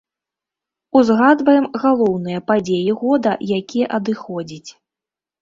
Узгадваем галоўныя падзеі года, які адыходзіць.